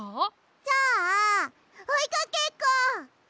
じゃあおいかけっこ。